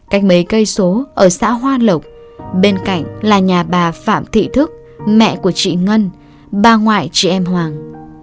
cách mấy cây số ở xã hoa lộc bên cạnh là nhà bà phạm thị thức mẹ của chị ngân bà ngoại chị em hoàng